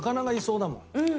うん。